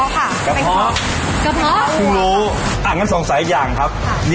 ถ้ากีรี๋ยูก็จะเป็นกะเพาะของวัวค่ะ